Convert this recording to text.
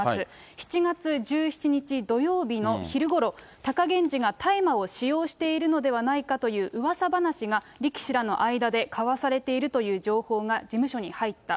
７月１７日土曜日の昼ごろ、貴源治が大麻を使用しているのではないかといううわさ話が力士らの間で交わされているという情報が事務所に入った。